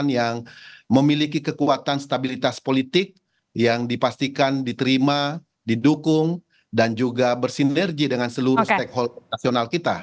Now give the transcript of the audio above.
yang memiliki kekuatan stabilitas politik yang dipastikan diterima didukung dan juga bersinergi dengan seluruh stakeholder nasional kita